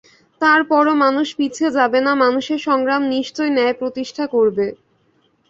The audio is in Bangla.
তার পরও মানুষ পিছিয়ে যাবে না, মানুষের সংগ্রাম নিশ্চয়ই ন্যায় প্রতিষ্ঠা করবে।